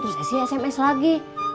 terus esi sms lagi